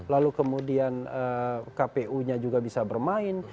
lalu kemudian kpu nya juga bisa bermain